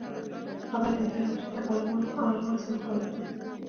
هغه دینداره چې له دې اعمالو سره مخالف دی.